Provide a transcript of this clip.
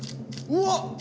うわっ！